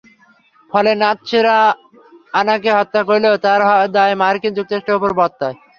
ফলে নাৎসিরা আনাকে হত্যা করলেও তার দায় মার্কিন যুক্তরাষ্ট্রের ওপরও বর্তায়।